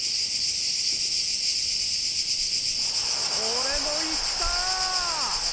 これも行ったあ！